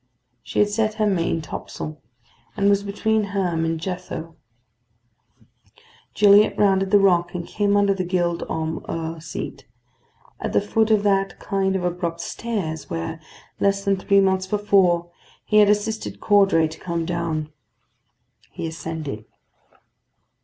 She had set her main topsail, and was between Herm and Jethou. Gilliatt rounded the rock, and came under the Gild Holm 'Ur seat, at the foot of that kind of abrupt stairs where, less than three months before, he had assisted Caudray to come down. He ascended.